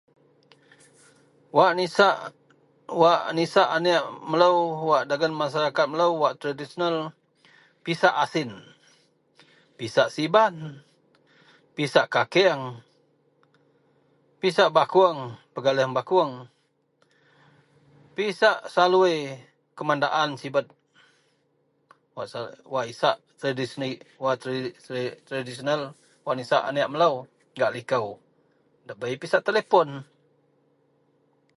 Wak nisak, wak nisak aneak melou wak dagen maseraket melou wak tradisional, pisak asin, pisak siban, pisak kakeang, pisak bakuong pegaleang bakuong, pisak salui kuman daan sibet wak isak tradisi wak tradisional wak nisak aneak melou gak likou. Debei pisak telipon.